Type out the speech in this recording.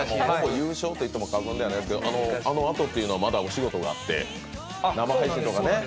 優勝と言っても過言ではないですけどあのあとというのはまだお仕事があって生配信とかね。